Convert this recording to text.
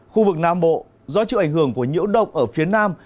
khu vực nam bộ do chịu ảnh hưởng của nhiễu động ở phía nam